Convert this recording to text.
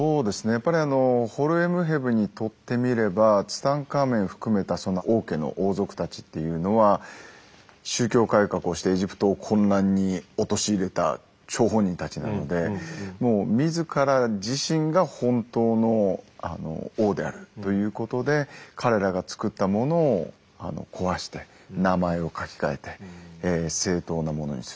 やっぱりホルエムヘブにとってみればツタンカーメン含めた王家の王族たちっていうのは宗教改革をしてエジプトを混乱に陥れた張本人たちなのでもう自ら自身が本当の王であるということで彼らがつくったものを壊して名前を書き換えて正当なものにする。